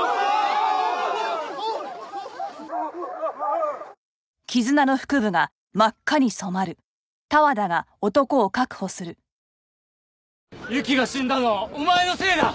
ＹＵＫＩが死んだのはお前のせいだ！